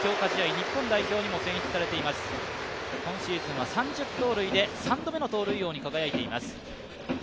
近本は今シーズン３０盗塁で３度目の盗塁王に輝いています。